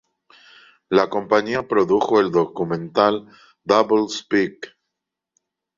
La compañía produjo el documental "Double Speak".